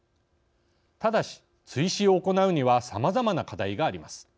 ただし追試を行うにはさまざまな課題があります。